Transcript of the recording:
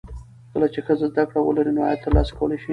کله چې ښځه زده کړه ولري، نو عواید ترلاسه کولی شي.